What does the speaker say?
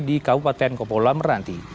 di kabupaten kepulauan meranti